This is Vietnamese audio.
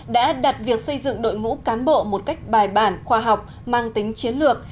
đã đặt việc xây dựng đội ngũ cán bộ một cách bài bản khoa học mang tính chiến lược